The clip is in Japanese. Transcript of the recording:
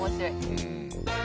うん。